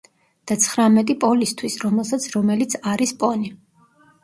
და ცხრამეტი პოლისთვის, რომელსაც, რომელიც არის პონი.